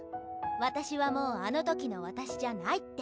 私はもうあの時の私じゃないって。